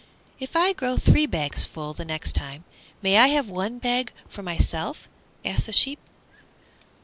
"If I grow three bags full the next time, may I have one bag for myself?" asked the sheep.